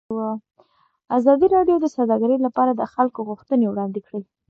ازادي راډیو د سوداګري لپاره د خلکو غوښتنې وړاندې کړي.